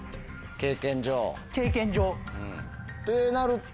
経験上？ってなると？